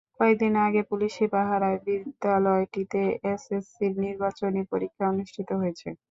কয়েক দিন আগে পুলিশি পাহারায় বিদ্যালয়টিতে এসএসসির নির্বাচনী পরীক্ষা অনুষ্ঠিত হয়েছে।